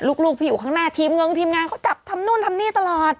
ลูกพี่อยู่ข้างหน้าทีมเงินทีมงานเขาจับทำนู่นทำนี่ตลอด